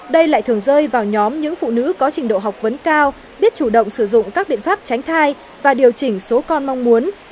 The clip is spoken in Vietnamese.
đây lại thường rơi vào nhóm những phụ nữ có trình độ học vấn cao biết chủ động sử dụng các biện pháp tránh thai và điều chỉnh số con mong muốn